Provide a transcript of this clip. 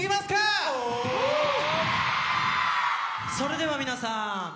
それでは皆さん。